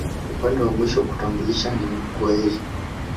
Upande wa mwisho kutambulishwa ni Ngwâeli